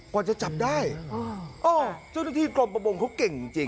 กว่าจะจับได้เจ้าหน้าที่กรมประมงเขาเก่งจริง